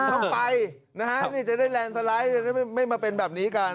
ต้องไปนะฮะนี่จะได้แลนด์สไลด์จะได้ไม่มาเป็นแบบนี้กัน